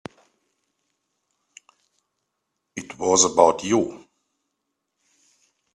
It was about you.